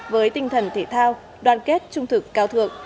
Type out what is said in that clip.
với tinh thần thể thao đoàn kết trung thực cao thượng